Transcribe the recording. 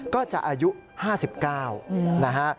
ก็จะอายุ๕๙นะฮะ